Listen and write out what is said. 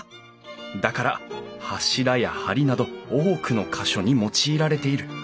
だから柱や梁など多くの箇所に用いられている。